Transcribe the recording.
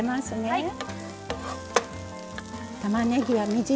はい。